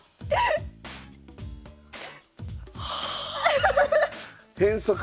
はあ！